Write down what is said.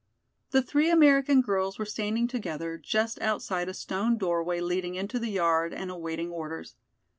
The three American girls were standing together just outside a stone doorway leading into the yard and awaiting orders.